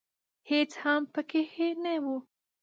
هېڅ هم پکښې نه و .